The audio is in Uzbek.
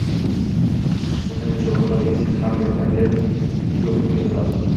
Istasang oʻsha bolalarga sen ham yordam berib shu qutiga sol.